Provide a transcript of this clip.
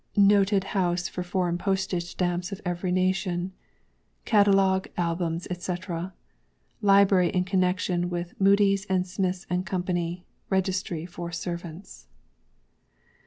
Noted House for Foreign Postage Stamps of every nation. CATALOGUE, ALBUMS, &c. LIBRARY IN CONNEXION WITH MUDIEŌĆÖS, AND SMITH & Co. REGISTRY FOR SERVANTS.